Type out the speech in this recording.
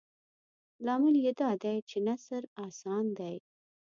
لامل یې دادی چې نثر اسان دی.